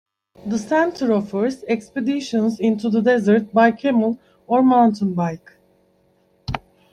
The Centre offers expeditions into the desert by camel or mountain bike.